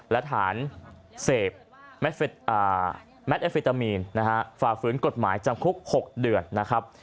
และฐานเสพแมทเอฟเฟตามีนฝ่าฝืนกฎหมายจำคุก๖เดือนนะครับ